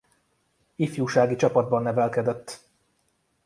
Ifjúsági csapatban nevelkedett.